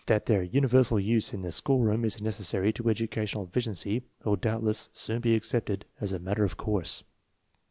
That their univer sal use in the schoolroom is necessary to educational efficiency will doubtless soon be accepted as a matter of course.